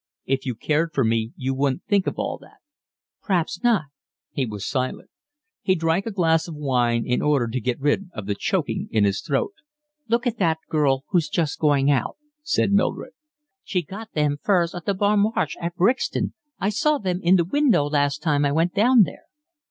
"If you cared for me you wouldn't think of all that." "P'raps not." He was silent. He drank a glass of wine in order to get rid of the choking in his throat. "Look at that girl who's just going out," said Mildred. "She got them furs at the Bon Marche at Brixton. I saw them in the window last time I went down there."